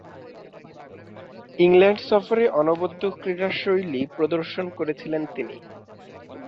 England সফরে অনবদ্য ক্রীড়াশৈলী প্রদর্শন করেছিলেন তিনি।